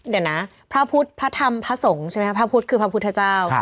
เดี๋ยวนะพระพุทธพระธรรมพระสงฆ์ใช่ไหมครับพระพุทธคือพระพุทธเจ้า